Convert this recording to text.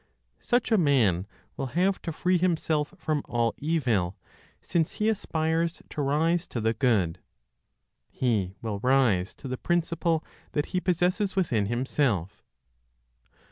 Such a man will have to free himself from all evil, since he aspires to rise to the Good. He will rise to the principle that he possesses within himself.